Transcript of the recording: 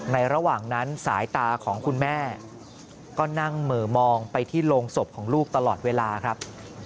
ระหว่างนั้นสายตาของคุณแม่ก็นั่งเหม่อมองไปที่โรงศพของลูกตลอดเวลาครับ